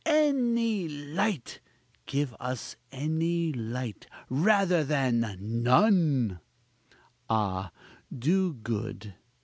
any light! give us any light rather than none! (Ah, do, good